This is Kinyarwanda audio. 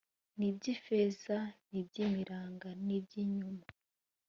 n iby ifeza n'iby imiringa niby 'ibyuma